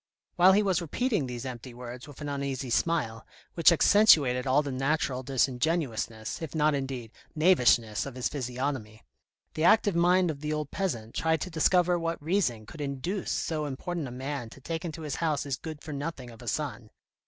While he was repeating these empty words with an uneasy smile, which accentuated all the natural disingenuousness, if not, indeed, knavishness of his physiognomy, the active mind of the old peasant tried to discover what reason could induce so so important a man to take into his house his good for nothing of a son.